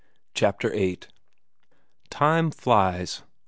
Chapter VIII Time flies?